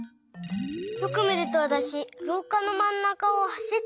よくみるとわたしろうかのまん中をはしってる。